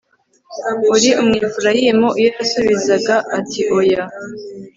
uri umwefurayimu? iyo yasubizaga ati oya